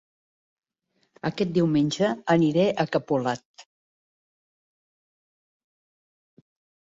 Aquest diumenge aniré a Capolat